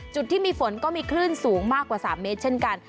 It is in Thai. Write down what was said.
จุดที่มีฝนก็มีคลื่นสูงมากกว่า๓เมตรเช่นกัน